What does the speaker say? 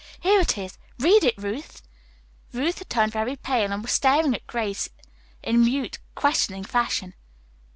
Here it is. Read it, Ruth." Ruth had turned very pale, and was staring at Grace in mute, questioning fashion.